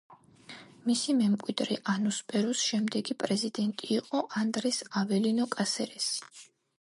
მისი მემკვიდრე, ანუს პერუს შემდეგი პრეზიდენტი იყო ანდრეს აველინო კასერესი.